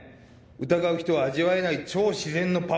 疑う人は味わえない超自然のパワー。